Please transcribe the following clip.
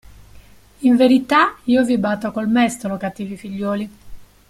In verità, io vi batto col mestolo, cattivi figliuoli.